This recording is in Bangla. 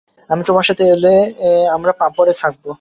আমি তোমার সাথে এলে আমরা পাপরে থাকব।